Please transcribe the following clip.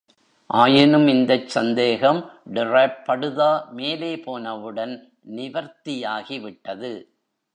ஆயினும், இந்தச் சந்தேகம் டிராப் படுதா மேலே போனவுடன், நிவர்த்தியாகிவிட்டது.